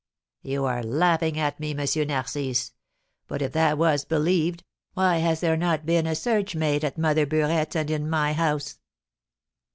"You are laughing at me, M. Narcisse; but, if that was believed, why has there not been a search made at Mother Burette's and in my house?"